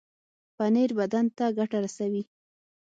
پنېر بدن ته ګټه رسوي.